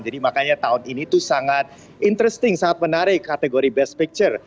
jadi makanya tahun ini itu sangat interesting sangat menarik kategori best picture